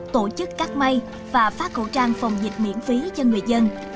tổ chức cắt may và phát khẩu trang phòng dịch miễn phí cho người dân